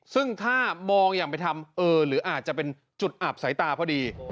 ซึ่งถ้ามองอย่างไปทำเออหรืออาจจะเป็นจุดอับสายตาพอดี